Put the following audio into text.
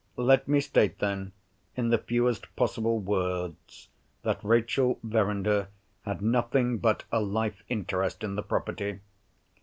Let me state, then, in the fewest possible words, that Rachel Verinder had nothing but a life interest in the property.